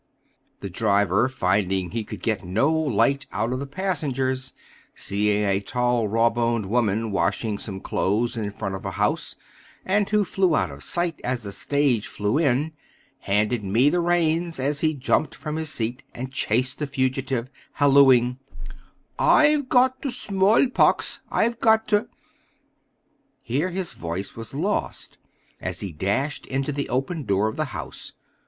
The driver, finding he could get no light out of the passengers, seeing a tall, raw boned woman washing some clothes in front of a house, and who flew out of sight as the stage flew in, handed me the reins as he jumped from his seat and chased the fugitive, hallooing, "I'fe got der small pox, I'fe got der " Here his voice was lost as he dashed into the open door of the house.